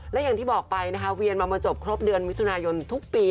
และอย่างที่บอกไปนะคะเวียนมามาจบครบเดือนมิถุนายนทุกปี